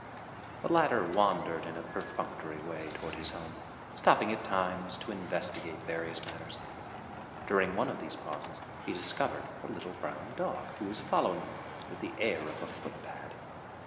The latter wandered in a perfunctory way toward his home, stopping at times to investigate various matters. During one of these pauses he discovered the little dark brown dog who was following him with the air of a footpad.